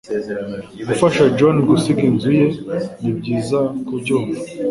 gufasha John gusiga inzu ye Nibyiza kubyumva